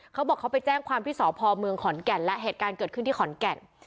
เขาบอกเขาไปแจ้งความที่สพเมืองขอนแก่นและเหตุการณ์เกิดขึ้นที่ขอนแก่น